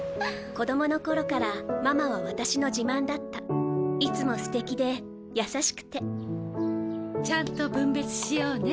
子どもの頃からママは私の自慢だったいつもすてきで優しくてちゃんと分別しようね。